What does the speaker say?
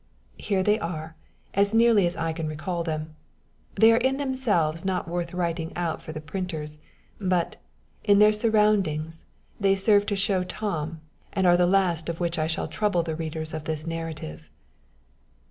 Here they are, as nearly as I can recall them. They are in themselves not worth writing out for the printers, but, in their surroundings, they serve to show Tom, and are the last with which I shall trouble the readers of this narrative.